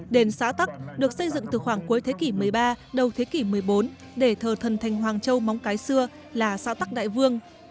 đền xã tắc được xây dựng từ khoảng cuối thế kỷ một mươi ba đầu thế kỷ một mươi bốn để thờ thần thành hoàng châu móng cái xưa là xã tắc đại vương